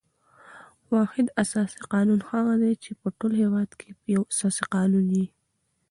واحد اساسي قانون هغه دئ، چي په ټول هیواد کښي یو اساسي قانون يي.